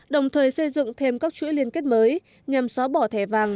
đồng thời xây dựng thêm các chuỗi liên kết mới nhằm xóa bỏ thẻ vàng